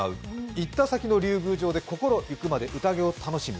行った先の竜宮城で心ゆくまで楽しむ。